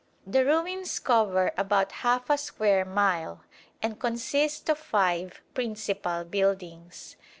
The ruins cover about half a square mile, and consist of five principal buildings.